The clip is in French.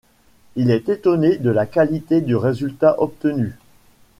Il est étonné de la qualité du résultat obtenu.